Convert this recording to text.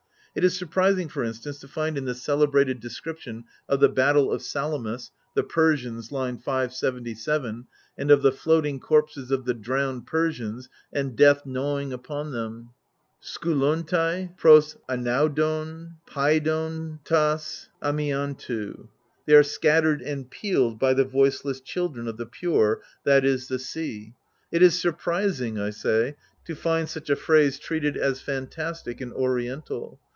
It is surprising, for instance, to find in the celebrated PREFACE XXV description of the battle of Salamis (The Persians^ L 577), and of the floating corpses of the drowned Persians, and " death gnawing upon them ": (TKiJXXoj'Tat Tpdj dLvaOSfav "They are scattered and peeled by the voiceless children of the Pure," />., the sea — it is surprising, I say, to find such a phrase treated as fantastic and Oriental.